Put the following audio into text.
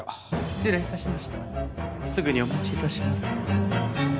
すぐにお持ち致します。